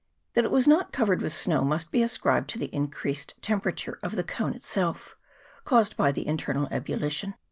That it was not covered with snow must be ascribed to the increased temperature of the cone itself, caused by the internal ebullition.